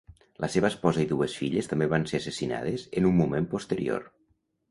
La seva esposa i dues filles també van ser assassinades en un moment posterior.